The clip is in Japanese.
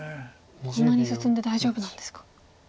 こんなに進んで大丈夫なんですか。